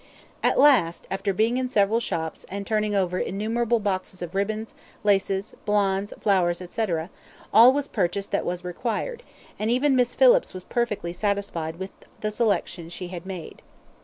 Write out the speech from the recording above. At last, after being in several shops, and turning over innumerable boxes of ribbons, laces, blondes, flowers, &c., all was purchased that was required, and even Miss Phillips was perfectly satisfied with the selection she had made.